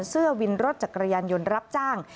เสื้อวินรถจักรยานยนต์รับจ้าง